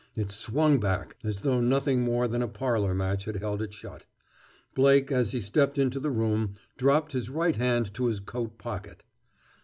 It swung back, as though nothing more than a parlor match had held it shut. Blake, as he stepped into the room, dropped his right hand to his coat pocket.